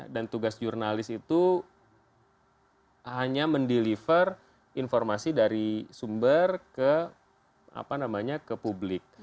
dan tugas jurnalis itu hanya mendeliver informasi dari sumber ke publik